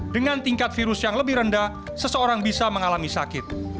dengan tingkat virus yang lebih rendah seseorang bisa mengalami sakit